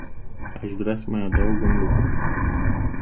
Aș vrea să mai adaug un lucru.